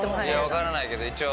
分からないけど一応。